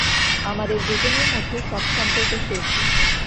আমাদের দুজনের মধ্যে সব সম্পর্ক শেষ।